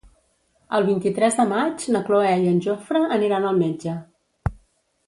El vint-i-tres de maig na Cloè i en Jofre aniran al metge.